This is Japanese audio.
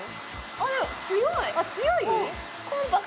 あっ強い？